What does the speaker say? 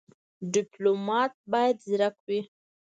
ډيپلومات بايد ځيرک وي.